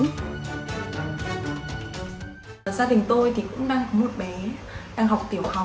gia đình tôi thì cũng đang có một bé đang học tiểu học